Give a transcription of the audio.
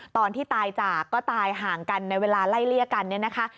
ตอนที่ตายจากก็ตายห่างกันในเวลาไล่เลี่ยกันเนี่ยนะคะ